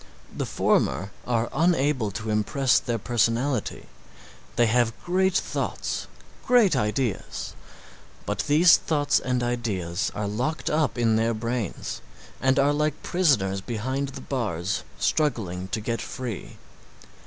The former are unable to impress their personality; they have great thoughts, great ideas, but these thoughts and ideas are locked up in their brains and are like prisoners behind the bars struggling to get free.